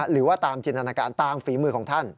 หรือว่าตามจินตนาการตามฝีมือของท่าน